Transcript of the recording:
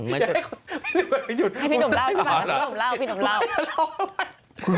พี่นมเล่าใช่ไหมที่นมเล่า